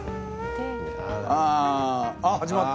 ああっ始まった。